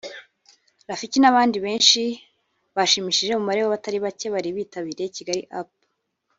Rafiki n'abandi benshi bashimishije umubare w’abatari bake bari bitabiriye Kigali Up